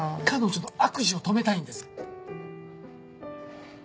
彼女の悪事を止めたいんです。